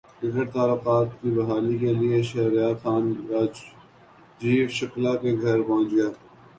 cricket تعلقات کی بحالی کیلئے شہریار خان راجیو شکلا کے گھرپہنچ گئے